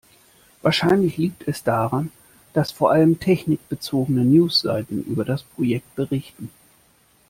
Wahrscheinlich liegt es daran, dass vor allem technikbezogene News-Seiten über das Projekt berichten.